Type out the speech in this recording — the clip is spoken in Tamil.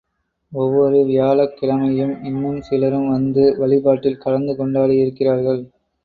ஒவ்வொரு வியாழக்கிழமையும் இன்னும் சிலரும் வந்து வழி பாட்டில் கலந்து கொண்டாடி இருக்கிறார்கள்.